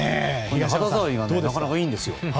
肌触りなかなかいいですよ。